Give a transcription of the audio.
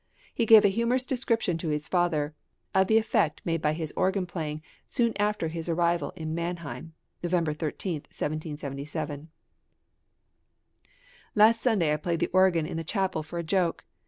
He gave a humorous description to his father of the effect made by his organ playing soon after his arrival in Mannheim (November 13, 1777) Last Sunday I played the organ in the chapel for a joke.